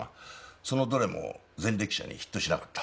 そのどれも前歴者にヒットしなかった。